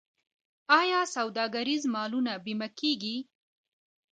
آیا سوداګریز مالونه بیمه کیږي؟